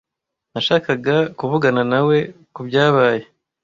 Nashakaga kuvugana nawe kubyabaye.